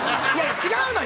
違うのよ！